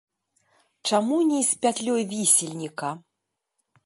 Чаму не з пятлёй вісельніка?